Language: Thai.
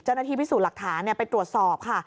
เจ้าหน้าที่พิสูจน์หลักฐานไปตรวจสอบค่ะ